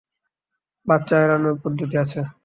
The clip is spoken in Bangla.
বাচ্চা এড়ানোর পদ্ধতি আছে।